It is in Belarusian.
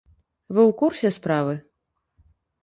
Вы ў курсе справы?